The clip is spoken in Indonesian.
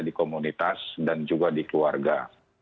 di komunitas dan juga di keluarga